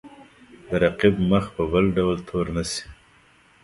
د رقیب مخ په بل ډول تور نه شي.